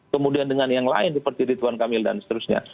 kemudian dengan yang lain seperti ridwan kamil dan seterusnya